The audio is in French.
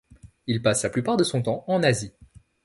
Il passe la plupart de son temps en Asie.